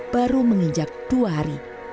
baru menginjak dua hari